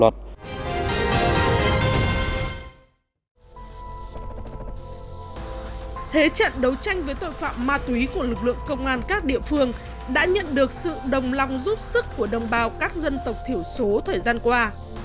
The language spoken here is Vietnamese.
thế trận đấu tranh với tội phạm ma túy của lực lượng công an các địa phương đã nhận được sự đồng lòng giúp sức của đồng bào các dân tộc thiểu số thời gian qua